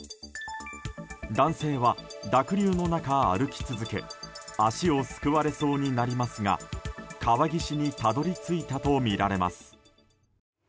男性は濁流の中、歩き続け足をすくわれそうになりますが川岸にたどり着いたとみられます。